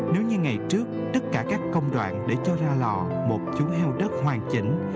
nếu như ngày trước tất cả các công đoạn để cho ra lò một chú heo đất hoàn chỉnh